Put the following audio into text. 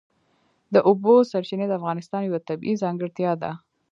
د اوبو سرچینې د افغانستان یوه طبیعي ځانګړتیا ده.